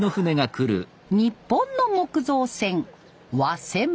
日本の木造船